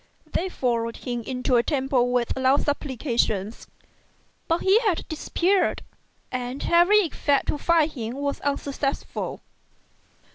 They followed him into a temple with loud supplications, but he had disappeared, and every effort to find him was unsuccessful.